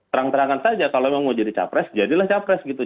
terang terangan saja kalau memang mau jadi capres jadilah capres gitu